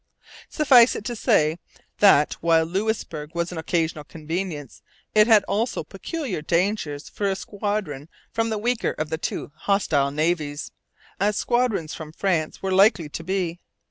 ] Suffice it to say that, while Louisbourg was an occasional convenience, it had also peculiar dangers for a squadron from the weaker of two hostile navies, as squadrons from France were likely to be.